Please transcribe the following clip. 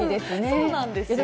そうなんですよ。